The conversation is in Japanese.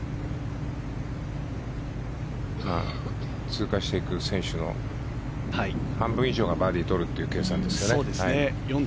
通過していく選手の半分以上がバーディーを取るという計算ですね。